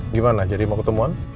gimana jadi mau ketemuan